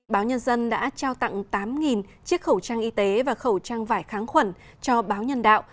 báo nhân dân đã trao tặng tám chiếc khẩu trang y tế và khẩu trang vải kháng khuẩn cho báo nhân đạo